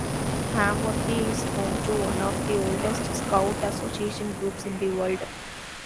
Hamworthy is home to one of the oldest Scout Association groups in the World.